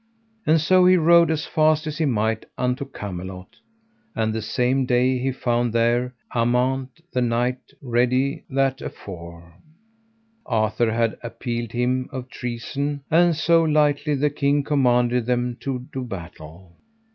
And so he rode as fast as he might unto Camelot; and the same day he found there Amant, the knight, ready that afore Arthur had appealed him of treason; and so, lightly the king commanded them to do battle.